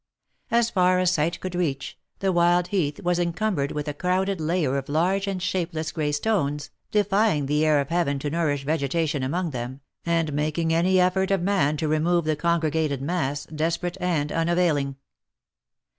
As far as sight could reach, the wild heath was encumbered with a crowded layer of large and shapeless gray stones, defying the air of heaven to nourish vegetation among them, and making any effort of man to remove the congregated mass, desperate and unavailing.